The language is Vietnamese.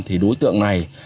thì đối tượng này